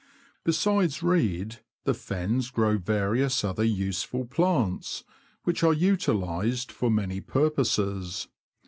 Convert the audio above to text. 237 Besides reed, the Fens grow various other useful plants, which are utilised for many purposes.